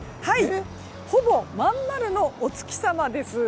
ほぼ真ん丸のお月様です。